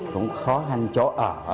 cũng khó khăn chỗ ở